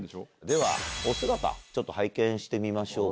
ではお姿拝見してみましょうか。